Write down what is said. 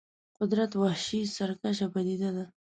قدرت وحشي سرکشه پدیده ده.